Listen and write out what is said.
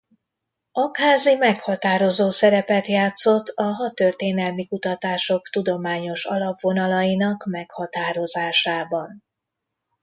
Aggházy meghatározó szerepet játszott a hadtörténelmi kutatások tudományos alapvonalainak meghatározásában.